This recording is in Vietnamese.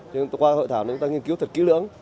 nhưng qua hội thảo chúng ta nghiên cứu thật kỹ lưỡng